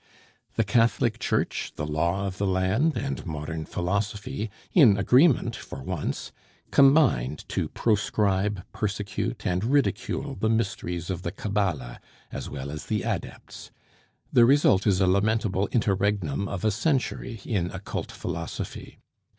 The Catholic Church, the law of the land, and modern philosophy, in agreement for once, combined to prescribe, persecute, and ridicule the mysteries of the Cabala as well as the adepts; the result is a lamentable interregnum of a century in occult philosophy.